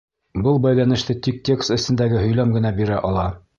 Был бәйләнеште тик текст эсендәге һөйләм генә бирә ала.